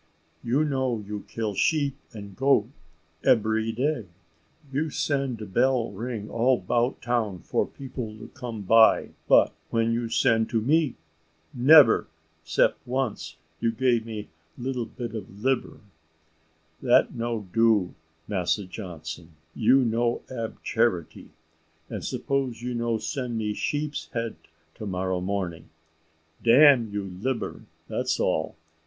You know you kill sheep and goat ebery day. You send bell ring all 'bout town for people to come buy; but when you send to me? nebber, 'cept once, you give me lilly bit of libber. That no do, Massa Johnson; you no ab charity; and suppose you no send me sheep's head to morrow morning, dam you libber, that's all.